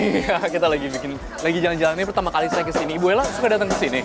iya kita lagi bikin lagi jalan jalannya pertama kali saya ke sini ibu ella suka datang ke sini